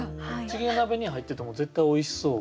チゲ鍋に入ってても絶対おいしそう。